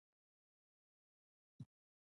پخوا د علومو برخې ویشل شوې نه وې.